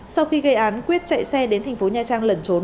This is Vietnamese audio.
sau khi gây án quyết chạy xe đến thành phố nha trang lẩn trốn